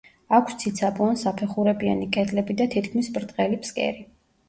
აქვს ციცაბო ან საფეხურებიანი კედლები და თითქმის ბრტყელი ფსკერი.